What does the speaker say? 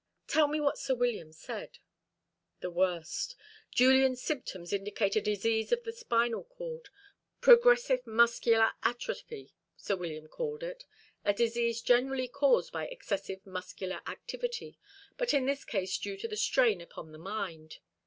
"Tell me what Sir William said." "The worst. Julian's symptoms indicate a disease of the spinal cord: progressive muscular atrophy, Sir William called it, a disease generally caused by excessive muscular activity, but in this case due to the strain upon the mind.